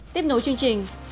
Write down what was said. tiếp nối chương trình